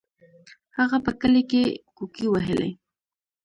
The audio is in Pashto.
هغه په کلي کې کوکې وهلې.